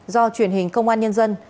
do truyền hình công an nhân dân